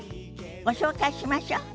ご紹介しましょ。